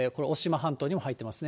半島にも入ってますね。